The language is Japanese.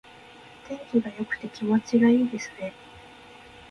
天気が良くて気持ちがいいですね。